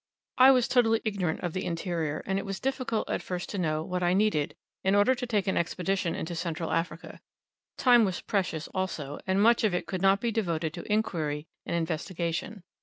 I was totally ignorant of the interior, and it was difficult at first to know, what I needed, in order to take an Expedition into Central Africa. Time was precious, also, and much of it could not be devoted to inquiry and investigation.